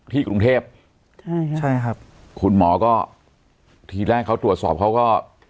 กรุงเทพใช่ใช่ครับคุณหมอก็ทีแรกเขาตรวจสอบเขาก็